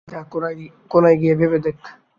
যা, কোণায় গিয়ে ভেবে দেখ।